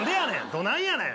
「どないやねん」